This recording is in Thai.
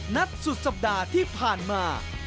สุดสัปดาห์ที่ผ่านมา